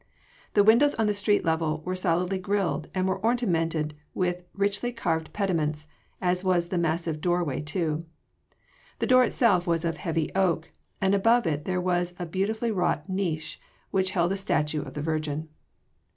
The windows on the street level were solidly grilled and were ornamented with richly carved pediments, as was the massive doorway too. The door itself was of heavy oak, and above it there was a beautifully wrought niche which held a statue of the Virgin.